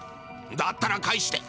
だったら返して。